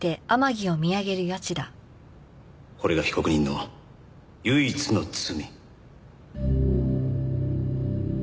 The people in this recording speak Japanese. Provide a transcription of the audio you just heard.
これが被告人の唯一の罪。